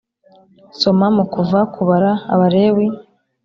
soma mu kuva kubara abalewi